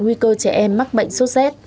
nguy cơ trẻ em mắc bệnh số z